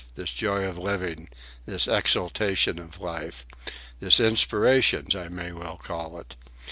this joy of living? this exultation of life? this inspiration, I may well call it?